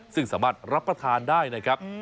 ซึ่งสามารถรับประทานได้นะครับ